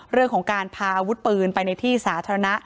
เรื่องของการพาอาวุธปืนไปในที่สาธารณะ